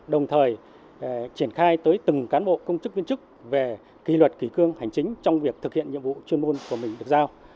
đồng thời triển khai tới từng cán bộ công trức tuyến trức về kỳ luật kỳ cương hành chính trong việc thực hiện nhiệm vụ chuyên môn của mình được giao